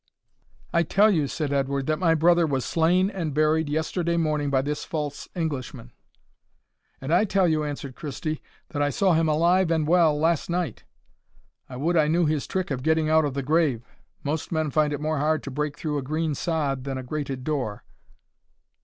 "I tell you," said Edward, "that my brother was slain and buried yesterday morning by this false Englishman." "And I tell you," answered Christie, "that I saw him alive and well last night. I would I knew his trick of getting out of the grave; most men find it more hard to break through a green sod than a grated door."